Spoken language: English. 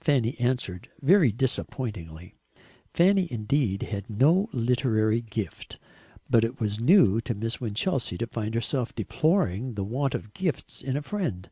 Fanny answered, very disappointingly. Fanny indeed had no literary gift, but it was new to Miss Winchelsea to find herself deploring the want of gifts in a friend.